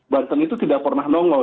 banten itu tidak pernah nongol